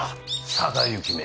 定行め